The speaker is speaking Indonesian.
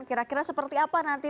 kira kira seperti apa nanti